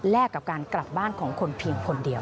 กับการกลับบ้านของคนเพียงคนเดียว